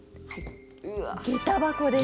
下駄箱です。